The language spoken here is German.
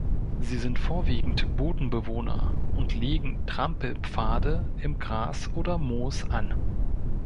Sie sind vorwiegend Bodenbewohner und legen Trampelpfade im Gras oder Moos an.